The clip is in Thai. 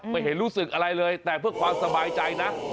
ไม่เห็นรู้สึกอะไรเลยแต่เพื่อความสบายใจนะ